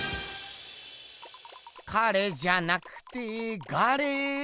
彼じゃなくてガレ。